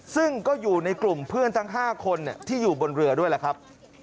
ซึ่งก็อยู่ในกลุ่มเพื่อนทั้ง๕คนที่อยู่บนเรือด้วยล่ะครับ